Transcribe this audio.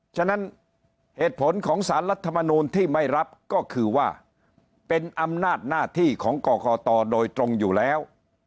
ฉะนั้นเหตุผลของสารรัฐมนูลที่ไม่รับก็คือว่าเป็นอำนาจหน้าที่ของกรกตโดยตรงอยู่แล้ว